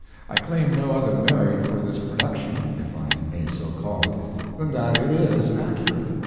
I claim no other merit for this production (if I may so call it) than that it is accurate.